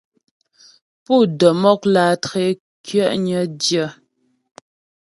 Pú də́ mɔk lǎtré kyɛ'nyə dyə.